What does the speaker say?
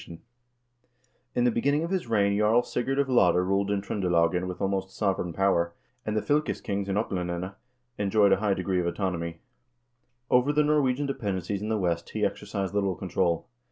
HAAKON THE GOOD 165 In the beginning of his reign Jarl Sigurd of Lade ruled in Tr0ndelagen with almost sovereign power, and the fylkes kings in Oplandene enjoyed a high degree of autonomy. Over the Norwegian depend encies in the West he exercised little control.